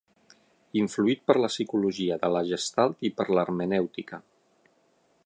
Influït per la psicologia de la Gestalt i per l'hermenèutica.